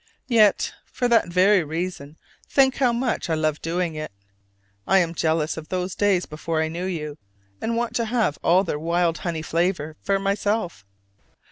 Yet for that very reason think how much I loved doing it! I am jealous of those days before I knew you, and want to have all their wild honey flavor for myself.